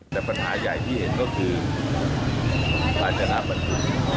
แต่ปัญหาใหญ่ที่เห็นก็คือภาชนะประตู